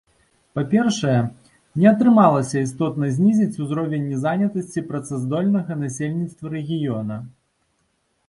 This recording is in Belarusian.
Па-першае, не атрымалася істотна знізіць узровень незанятасці працаздольнага насельніцтва рэгіёна.